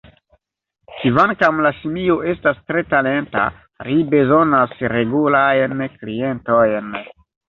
Kvankam la simio estas tre talenta, ri bezonas regulajn klientojn.